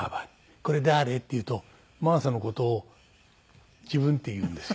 「これ誰？」って言うと真麻の事を自分って言うんですよ。